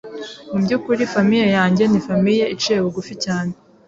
Mu byukuri famille yanjye ni famille iciye bugufi cyane